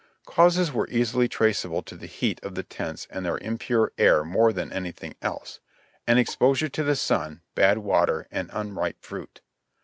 Causes were easily traceable to the heat of the tents and their impure air more than anything else, and exposure to the sun, bad water and unripe fruit.